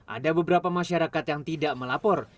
ada beberapa masyarakat yang tidak melapor